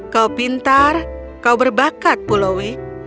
kau pintar kau berbakat pulaui